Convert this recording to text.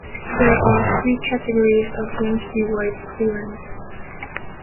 There are three categories of Yankee White clearance.